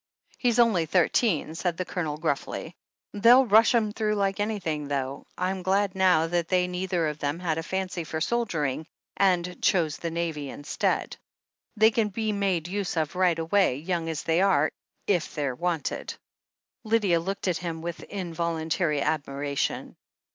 "He's only thirteen," said the Colonel gruffly. "They'll rush 'em through like anything, though. I'm glad now that they neither of them had a fancy for soldiering, and chose the Navy instead. They can be THE HEEL OF ACHILLES 401 made use of right away, young as they are, if they're wanted." Lydia looked at him with involuntary admiration.